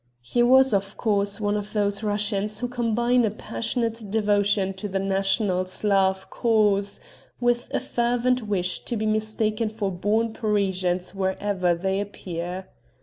He was, of course, one of those Russians who combine a passionate devotion to the national Slav cause with a fervent wish to be mistaken for born Parisians wherever they appear.